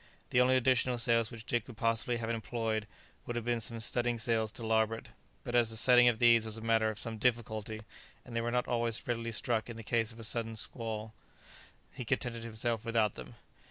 The only additional sails which Dick could possibly have employed would have been some studding sails to larboard, but as the setting of these was a matter of some difficulty, and they were not always readily struck in the case of a sudden squall, he contented himself without them.